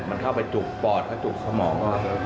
เจ้าเอกเข้าไปจุกปอดจุกสมอง